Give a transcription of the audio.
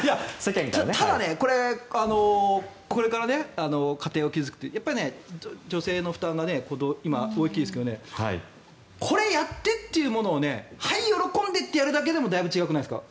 ただ、これから家庭を築くとやっぱり女性の負担が今、大きいですけどこれ、やってというものをはい、喜んでといってやるだけでもだいぶ違くないですか？